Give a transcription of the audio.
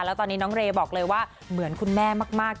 แล้วตอนนี้น้องเรย์บอกเลยว่าเหมือนคุณแม่มาก